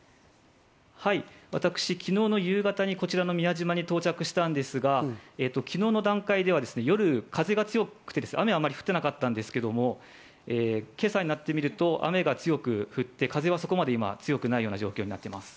私、昨日の夕方にこちらの宮島に到着したんですが、昨日の段階では夜、風が強くて雨はあまり降っていなかったんですけれど、今朝になってみると雨が強く降って、風はそこまで強くないような状況です。